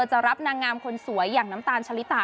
จะรับนางงามคนสวยอย่างน้ำตาลชะลิตา